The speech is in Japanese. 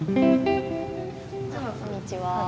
こんにちは。